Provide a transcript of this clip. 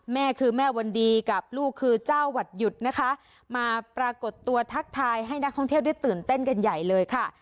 แม่คือแม่วันดีกับลูกคือเจ้าหวัดหยุดนะคะมาปรากฏตัวทักทายให้นักท่องเที่ยวได้ตื่นเต้นกันใหญ่เลยค่ะ